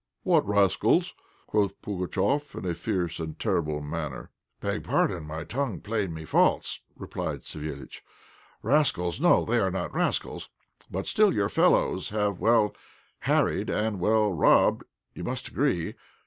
"What rascals?" quoth Pugatchéf, in a fierce and terrible manner. "Beg pardon, my tongue played me false," replied Savéliitch. "Rascals, no they are not rascals; but still your fellows have well harried and well robbed, you must agree.